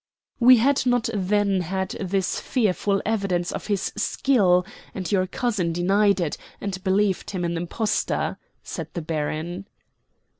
"We had not then had this fearful evidence of his skill; and your cousin denied it, and believed him an impostor," said the baron.